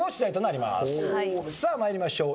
さあ参りましょう。